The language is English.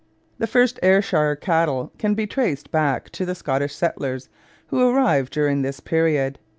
The first Ayrshire cattle can be traced back to the Scottish settlers who arrived during this period.